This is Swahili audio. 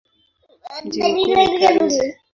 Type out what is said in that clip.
Mji mkuu ni Karuzi.